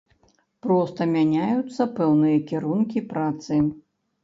Проста мяняюцца пэўныя кірункі працы.